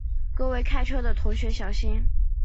各位开车的同学小心